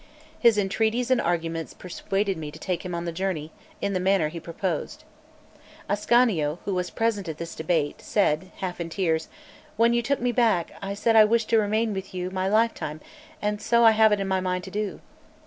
His entreaties and arguments persuaded me to take him on the journey in the manner he proposed. Ascanio, who was present at this debate, said, half in tears: "When you took me back, I said I wished to remain with you my lifetime, and so I have it in my mind to do."